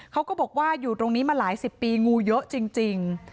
เขาก็บอกว่าอยู่ตรงนี้มาหลายสิบปีงูเยอะจริง